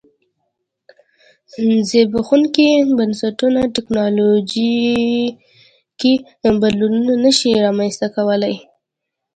زبېښونکي بنسټونه ټکنالوژیکي بدلونونه نه شي رامنځته کولای